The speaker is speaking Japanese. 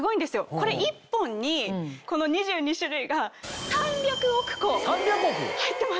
これ一本にこの２２種類が３００億個入ってます。